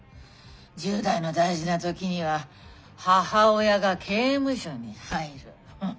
１０代の大事な時には母親が刑務所に入る。